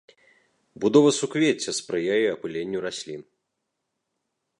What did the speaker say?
Будова суквецця спрыяе апыленню раслін.